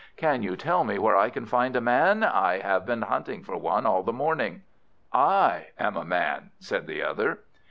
Can you tell me where I can find a Man? I have been hunting for one all the morning." "I am a Man," said the other.